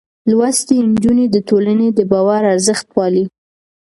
لوستې نجونې د ټولنې د باور ارزښت پالي.